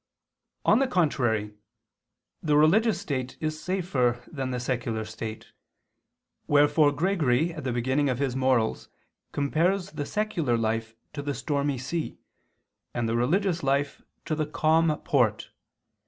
On the contrary, The religious state is safer than the secular state; wherefore Gregory at the beginning of his Morals [*Epist. Missoria, ad Leand. Episc. i] compares the secular life to the stormy sea, and the religious life to the calm port.